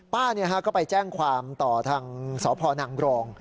ป้าก็ไปแจ้งความต่อทางสพนังกรอง